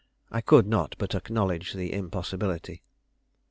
I could not but acknowledge the impossibility.